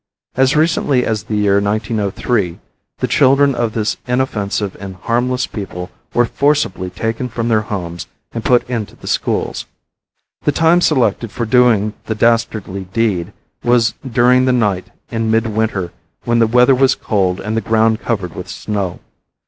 As recently as the year 1903 the children of this inoffensive and harmless people were forcibly taken from their homes and put into the schools. The time selected for doing the dastardly deed was during the night in midwinter when the weather was cold and the ground covered with snow.